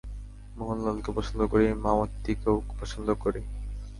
মোহনলালকে পছন্দ করি, মামুত্তিকেও পছন্দ করি।